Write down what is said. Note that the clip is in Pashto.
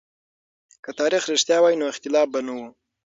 که تاريخ رښتيا وای نو اختلاف به نه و.